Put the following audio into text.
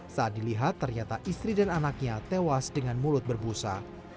saat dilihat ternyata istri dan anaknya tewas dengan mulut berbusa